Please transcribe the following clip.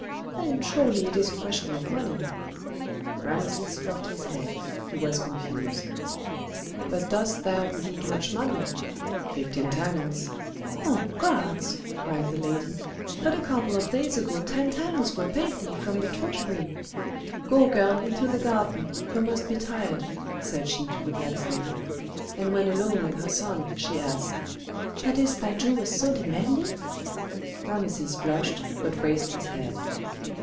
"Then surely it is a question of money." Rameses dropped his head; he was confused. "But dost thou need much money?" "Fifteen talents " "O gods!" cried the lady, "but a couple of days ago ten talents were paid thee from the treasury. Go, girl, into the garden; thou must be tired," said she to the black slave; and when alone with her son she asked, "But is thy Jewess so demanding?" Rameses blushed, but raised his head.